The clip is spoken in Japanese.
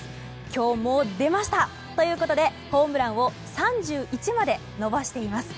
今日も出ましたということで、ホームランを３１まで伸ばしています。